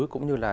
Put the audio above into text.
cũng như là